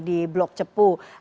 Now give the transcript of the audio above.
di blok cepu